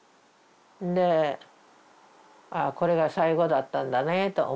で「ああこれが最後だったんだね」と思って。